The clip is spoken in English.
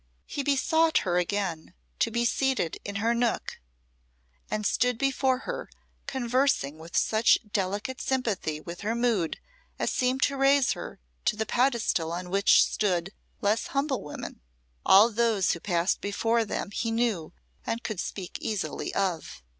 He besought her again to be seated in her nook, and stood before her conversing with such delicate sympathy with her mood as seemed to raise her to the pedestal on which stood less humble women. All those who passed before them he knew and could speak easily of.